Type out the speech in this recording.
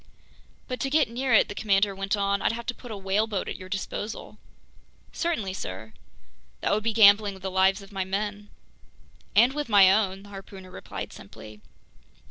"But to get near it," the commander went on, "I'd have to put a whaleboat at your disposal?" "Certainly, sir." "That would be gambling with the lives of my men." "And with my own!" the harpooner replied simply.